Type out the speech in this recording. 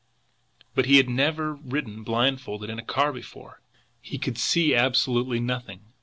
But he had never ridden blindfolded in a car before! He could see absolutely nothing.